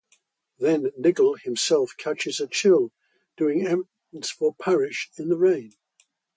Then Niggle himself catches a chill doing errands for Parish in the rain.